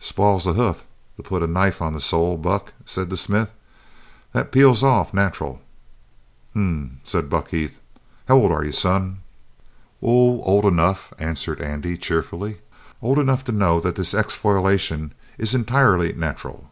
"Spoils the hoof to put the knife on the sole, Buck," said the smith. "That peels off natural." "H'm," said Buck Heath. "How old are you, son?" "Oh, old enough," answered Andy cheerily. "Old enough to know that this exfoliation is entirely natural."